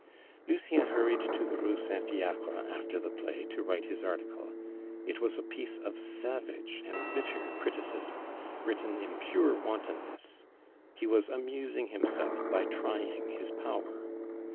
Lucien hurried to the Rue Saint Fiacre after the play to write his article. It was a piece of savage and bitter criticism, written in pure wantonness; he was amusing himself by trying his power.